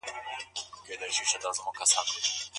پخوا ښځي له کومو حقوقو محرومي وې؟